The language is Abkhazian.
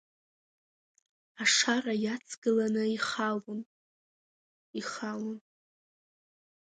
Ашара иацгыланы ихалон, ихалон…